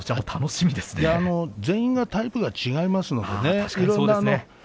全員タイプが違いますからですね。